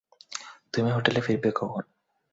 তুমি হোটেলে ফিরবে কখন?